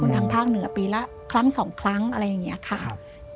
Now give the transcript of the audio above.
ครั้งทางเหนือปีละครั้งสองครั้งอะไรแบบนี้ค่ะ